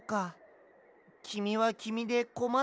きみはきみでこまってたんだね。